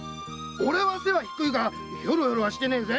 俺は背は低いがヒョロヒョロはしてねえぜ！